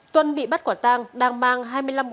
tuân bị bắt quả tang đang mang hai đồng